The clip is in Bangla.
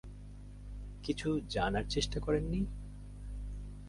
কিছু জানার চেষ্টা করেন নি?